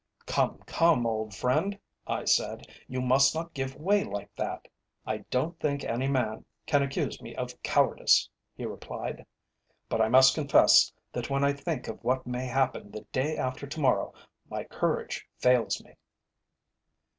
"Come, come, old friend," I said, "you must not give way like that." "I don't think any man can accuse me of cowardice," he replied, "but I must confess that when I think of what may happen the day after to morrow, my courage fails me."